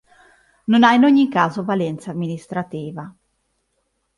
Non ha in ogni caso valenza amministrativa.